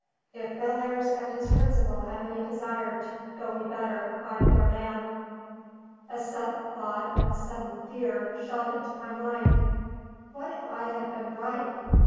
"If Bellairs and his principal have any desire to go me better, I'm their man." A sudden thought, a sudden fear, shot into my mind. What if I had been right?